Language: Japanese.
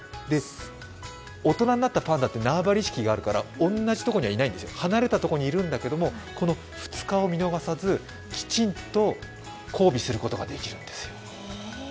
大人になったパンダって縄張り意識があるから同じところにはいないんですよ、離れたところにいるんだけどこの２日を見逃さずきちんと交尾することができるんですよ。